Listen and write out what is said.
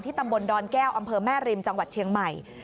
ตำบลดอนแก้วอำเภอแม่ริมจังหวัดเชียงใหม่